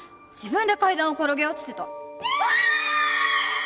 自分で階段を転げ落ちてた。